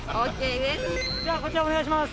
じゃあこちらお願いします。